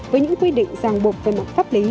với những quy định ràng buộc về mặt pháp lý